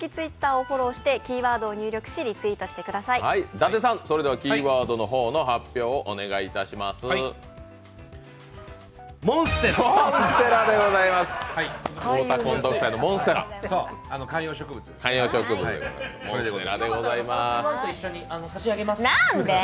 伊達さん、キーワードの発表をお願いします。